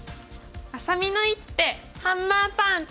あさみの一手ハンマーパンチ！